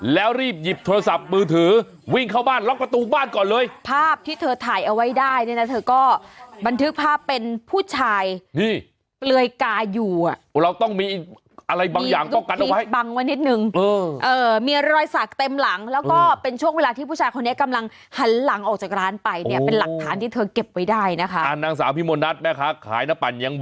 แล้วรีบหยิบโทรศัพท์มือถือวิ่งเข้าบ้าน